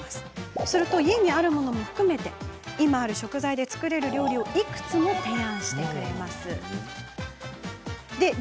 すると、家にあるものも含めて今ある食材で作れる料理をいくつも提案してくれます。